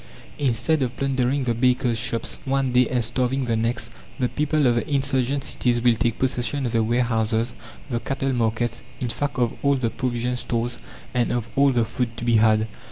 Instead of plundering the bakers' shops one day, and starving the next, the people of the insurgent cities will take possession of the warehouses, the cattle markets, in fact of all the provision stores and of all the food to be had.